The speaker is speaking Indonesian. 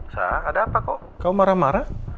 sa ada apa kok kamu marah marah